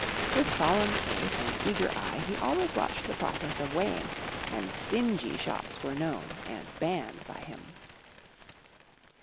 With solemn face and eager eye, he always watched the process of weighing, and "stingy" shops were known and banned by him.